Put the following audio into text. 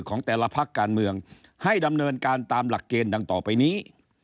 ของแต่ละพักการเมืองให้ดำเนินการตามหลักเกณฑ์ดังต่อไปนี้